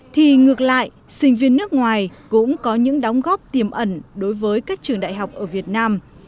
thì ngược lại sinh viên nước ngoài cũng có những đóng góp tiềm ẩn đối với các trường đại học ở việt nam